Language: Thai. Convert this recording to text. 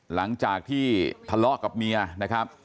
หลังจากที่ทะเลาะกับเมียนะครับ